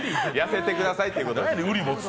痩せてくださいということ。